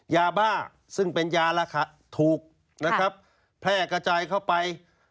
ยาบ้าซึ่งเป็นยาราคาถูกนะครับแพร่กระจายเข้าไป